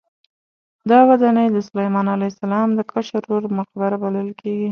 دا ودانۍ د سلیمان علیه السلام د کشر ورور مقبره بلل کېده.